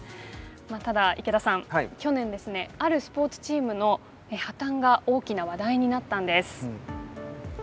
ただ池田さん去年ですねあるスポーツチームの破綻が大きな話題になったんです。